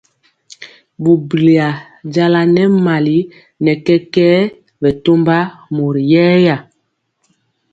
Bubuliya jala nɛ mali nɛ kɛkɛɛ bɛ tɔmba mori yɛya.